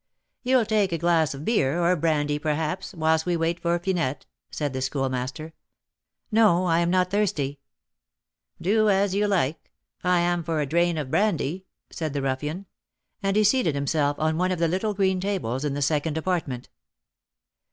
"You'll take a glass of beer, or brandy, perhaps, whilst we wait for Finette?" said the Schoolmaster. "No; I am not thirsty." "Do as you like, I am for a 'drain' of brandy," said the ruffian; and he seated himself on one of the little green tables in the second apartment.